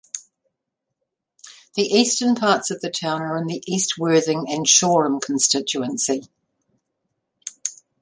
The Eastern parts of the town are in the East Worthing and Shoreham constituency.